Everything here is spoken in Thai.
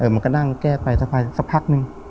มันก็นั่งแก้ไปสักพักนึง